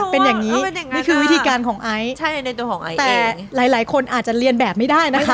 เป็นอย่างนี้คือวิธีการของไอแต่หลายคนอาจจะเรียนแบบไม่ได้นะคะ